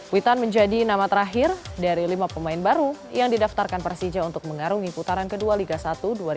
witan menjadi nama terakhir dari lima pemain baru yang didaftarkan persija untuk mengarungi putaran kedua liga satu dua ribu dua puluh dua dua ribu dua puluh tiga